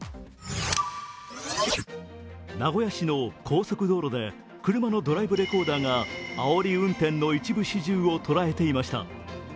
名古屋市の高速道路で車のドライブレコーダーがあおり運転の一部始終を捉えていました。